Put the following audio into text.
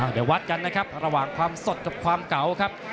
เดี๋ยววัดกันนะครับระหว่างความสดกับความเก่าครับ